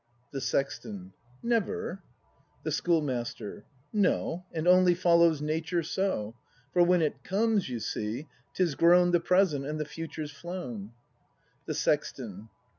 The Sexton. Never ? The Schoolmaster. No, And only follows Nature so. For when it comes, you see, 'tis grow n The Present, and the Future's flown. The Sexton.